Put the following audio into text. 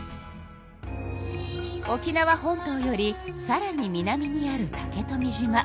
沖縄本島よりさらに南にある竹富島。